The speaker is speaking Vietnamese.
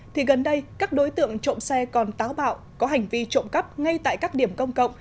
thì gần đây các đối tượng trộm xe còn táo bạo có hành vi trộm cắp ngay tại các điểm công cộng